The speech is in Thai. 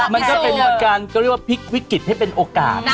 มันก็เป็นพันธุ์การพลิกวิกฤตให้เป็นโอกาส